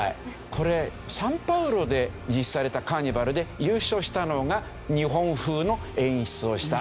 これサンパウロで実施されたカーニバルで優勝したのが日本風の演出をした。